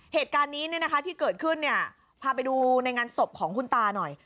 เหตุการณ์นี้ที่เกิดขึ้นพาไปดูในงานศพของคุณตาหน่อย